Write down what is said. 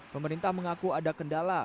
pemerintah mengaku ada kendala